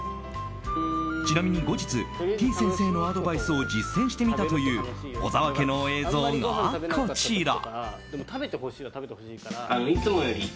ちなみに後日てぃ先生のアドバイスを実践してみたという小澤家の映像がこちら。